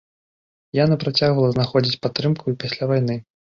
Яна працягвала знаходзіць падтрымку і пасля вайны.